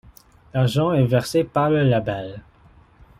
L'argent est versé par leur label.